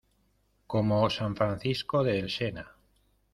como San Francisco de Sena!